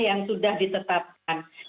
yang sudah ditetapkan